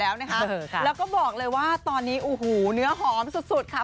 แล้วก็บอกเลยว่าตอนนี้โอ้โหเนื้อหอมสุดค่ะ